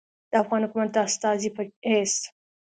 د افغان حکومت د استازي پۀ حېث